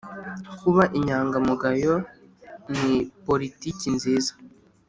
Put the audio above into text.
kuba inyangamugayo ni politiki nziza.